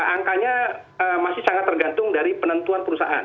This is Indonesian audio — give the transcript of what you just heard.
angkanya masih sangat tergantung dari penentuan perusahaan